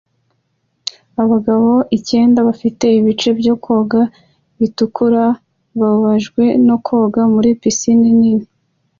Abagabo icyenda bafite ibice byo koga bitukura bahujwe no koga muri pisine nini